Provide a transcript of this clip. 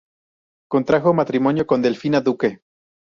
Contrajo matrimonio con Delfina Duque.